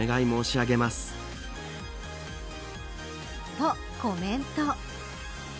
と、コメント。